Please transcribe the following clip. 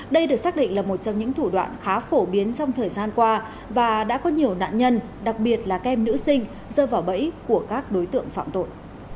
đây được xác định là một trong những thủ đoạn khá phổ biến trong thời gian qua và đã có nhiều nạn nhân đặc biệt là kem nữ sinh dơ vào bẫy của các đối tượng phạm tội